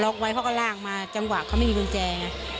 เหมาะก็ลากมาจังหวะเขามีหุ้นแจ